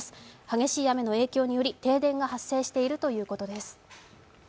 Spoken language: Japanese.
激しい雨の影響により停電が発生しているということです。